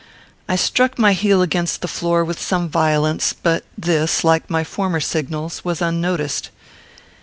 I struck my heel against the floor with some violence; but this, like my former signals, was unnoticed.